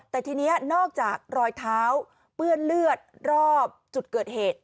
แต่ทีนี้นอกจากรอยเท้าเปื้อนเลือดรอบจุดเกิดเหตุ